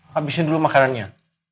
habisin dulu makanannya